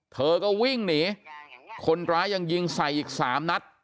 เธอก็วิ่งหนีคนร้ายยังยิงใส่อีกสามนัด